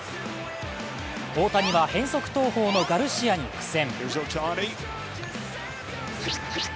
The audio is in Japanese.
大谷は変則投法のガルシアに苦戦。